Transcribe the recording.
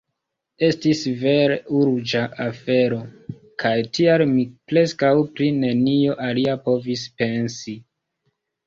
Estis vere urĝa afero, kaj tial mi preskaŭ pri nenio alia povis pensi.